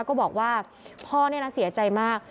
ก็บอกว่าพ่อนี่นะเสียใจมาก